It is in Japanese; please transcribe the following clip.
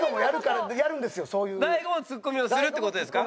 大悟もツッコミをするって事ですか？